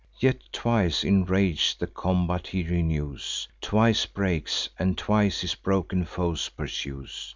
Yet twice, enrag'd, the combat he renews, Twice breaks, and twice his broken foes pursues.